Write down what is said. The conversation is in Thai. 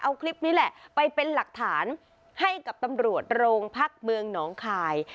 เอาคลิปนี้แหละไปเป็นหลักฐานให้กับตำรวจโรงพักเมืองหนองคาย